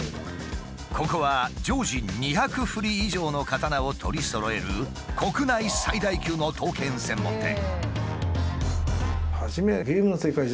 ここは常時２００振り以上の刀を取りそろえる国内最大級の刀剣専門店。